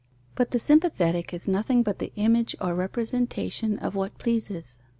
But the sympathetic is nothing but the image or representation of what pleases.